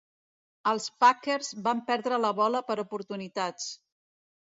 Els Packers van perdre la bola per oportunitats.